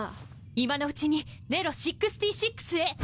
今のうちにネロ６６へ！